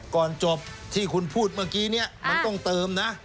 ก่อนจบที่คุณพูดเมื่อกี้เนี่ยมันต้องเติมนะ